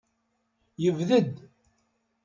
Yebded.